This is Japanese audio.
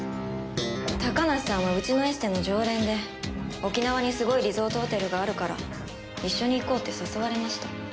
高梨さんはうちのエステの常連で沖縄にすごいリゾートホテルがあるから一緒に行こうって誘われました。